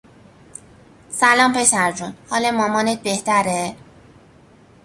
سلام پسرجون ، حال مامانت بهتره ؟